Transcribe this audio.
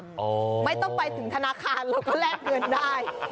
ไม่ต้องไปถึงธนาคารเราก็แลกเงินได้